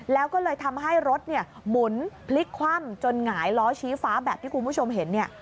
แล้วก็เลยทำให้รถหมุนพลิกคว่ำจนหงายล้อชี้ฟ้าแบบที่คุณผู้ชมเห็นเนี่ย